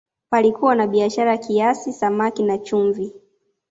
Palikuwa na biashara kiasi samaki na chumvi